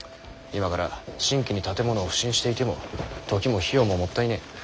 今から新規に建物を普請していても時も費用ももったいねぇ。